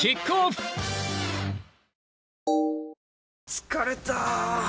疲れた！